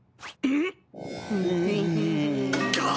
えっ？